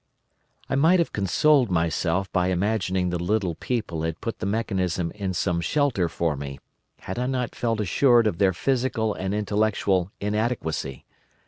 "I might have consoled myself by imagining the little people had put the mechanism in some shelter for me, had I not felt assured of their physical and intellectual inadequacy.